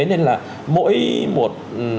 nên là mỗi một